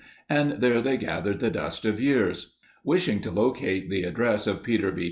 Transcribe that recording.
And there they gathered the dust of years. Wishing to locate the address of Peter B.